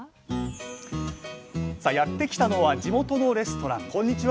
やって来たのは地元のレストランこんにちは。